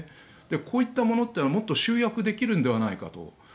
こういったものは、もっと集約できるのではないかと。